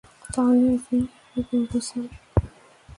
তাহলে আসমানে কীভাবে বলব, স্যার?